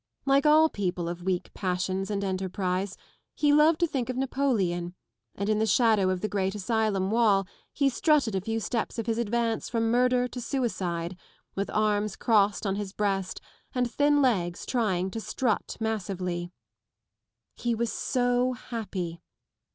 Like all people of weak passions and enterprise he loved to think of Napoleon, and in the shadow of the great asylum wall he strutted a few steps of his advance from murder to suicide, with arms crossed on his breast and thin legs trying to strut massively, fie was so happy.